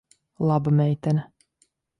Laba meitene.